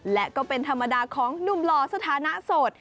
และก็เป็นธรรมดาของหนุ่มหล่อสถานะโสด